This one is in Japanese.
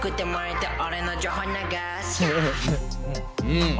うん。